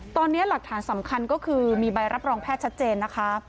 ตอนนี้หลักฐานสำคัญก็คือมีใบรับรองแพทย์ชัดเจนนะคะ